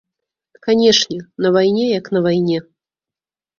Канешне, на вайне як на вайне.